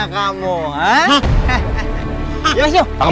tuk lo sampai ke mana kamu